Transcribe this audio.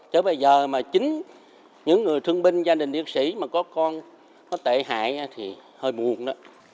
chứ bây giờ mà chính những người thương binh gia đình liệt sĩ mà có con có tệ hại thì hơi buồn đó